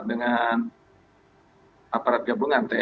dengan aparat gabungan tni